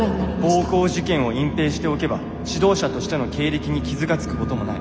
「暴行事件を隠ぺいしておけば指導者としての経歴に傷がつくこともない。